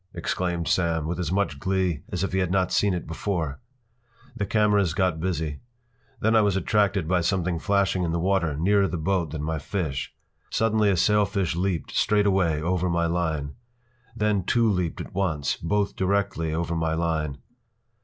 ” exclaimed Sam, with as much glee as if he had not seen it before. The cameras got busy. Then I was attracted by something flashing in the water nearer the boat than my fish. Suddenly a sailfish leaped, straightaway, over my line. Then two leaped at once, both directly over my line.